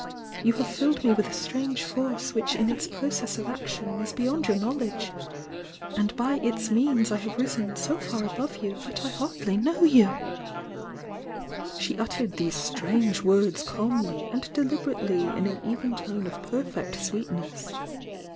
You have filled me with a strange force which in its process of action is beyond your knowledge, and by its means I have risen so far above you that I hardly know ^°She uttered these strange words calmly and de liberately in an even tone of perfect sweetness.